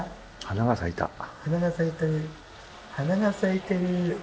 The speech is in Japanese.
花が咲いてる。